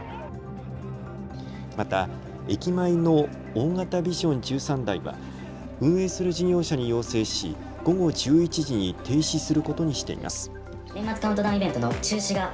また駅前の大型ビジョン１３台は運営する事業者に要請し午後１１時に停止することにしています。